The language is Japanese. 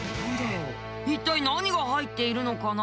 一体何が入っているのかな？